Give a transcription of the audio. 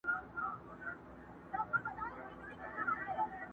مور ځان په بېلابېلو نومونو کي ويني او خپل هويت له لاسه ورکوي،